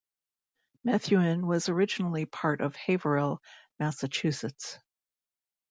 Methuen was originally part of Haverhill, Massachusetts.